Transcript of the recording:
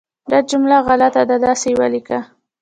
دا جمله غلطه ده، داسې یې ولیکه